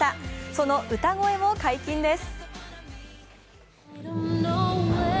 その歌声も解禁です。